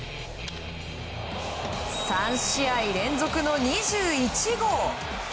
３試合連続の２１号。